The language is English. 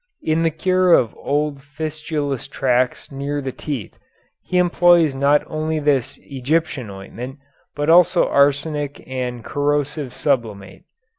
In the cure of old fistulous tracts near the teeth he employs not only this Egyptian ointment but also arsenic and corrosive sublimate.